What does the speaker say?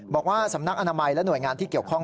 บอกว่าสำนักอนามัยและหน่วยงานที่เกี่ยวข้อง